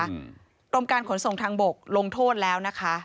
กรมการขนส่งทางบกลงโทษแล้วนะคะ